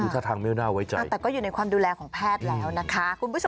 จริงเหรอแต่ก็อยู่ในความดูแลของแพทย์แล้วนะคะคุณผู้ชม